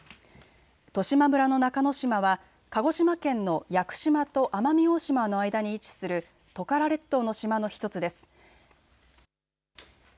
十島村の中之島は鹿児島県の屋久島と奄美大島の間に位置するトカラ列島の島の１つです。